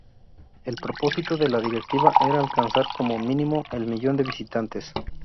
El propósito de la directiva era alcanzar como mínimo el millón de visitantes.